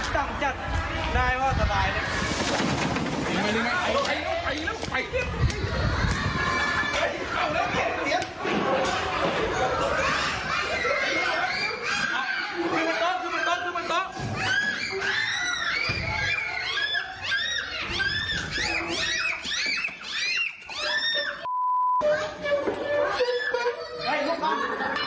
ขึ้นมาโต๊ะขึ้นมาโต๊ะขึ้นมาโต๊ะ